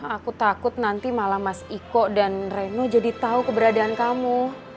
aku takut nanti malah mas iko dan reno jadi tahu keberadaan kamu